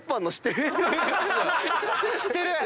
知ってる。